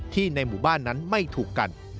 ในหมู่บ้านนั้นไม่ถูกกัน